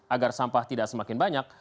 agar sampah tidak semakin banyak